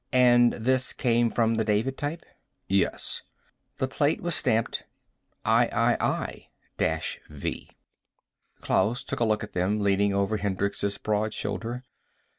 "And this came from the David type?" "Yes." The plate was stamped: III V. Klaus took a look at them, leaning over Hendricks' broad shoulder.